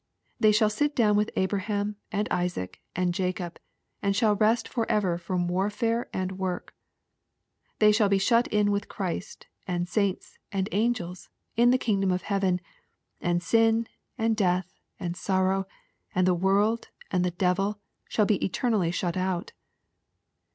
They shall sit down with Abraham, and Isaac, and Jacob, and rest forever from warfare and work. They shall be shut in with Christ, and saints, and angels, in the kingdom of heaven, and sin, and death, and sorrow, and the world, and the devil, shall be eternally shut out.